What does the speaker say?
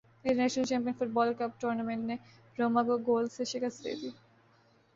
international champion football cup Tottenham نے Roma کو گول سے شکست دے دی